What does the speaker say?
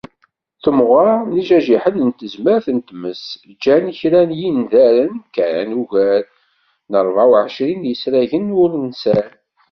Temɣer n yijajiḥen d tezmert n tmes ǧǧan kra n yindaren kkan ugar n rebεa u εecrinn yisragen ur nsan.